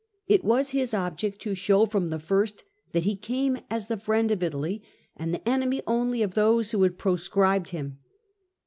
It was his object to show from the first that he came as the friend of Italy, and the enemy only of those who had proscribed him.